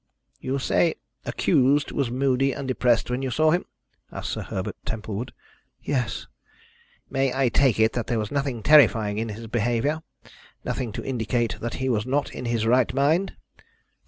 "You say accused was moody and depressed when you saw him?" asked Sir Herbert Templewood. "Yes." "May I take it that there was nothing terrifying in his behaviour nothing to indicate that he was not in his right mind?"